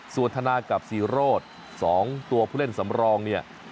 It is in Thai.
ส่วนธนากับซีโรธ๒ตัวผู้เล่นสำรองเนี่ย